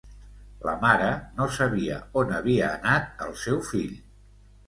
La mare no sabia on havia anat el seu fill...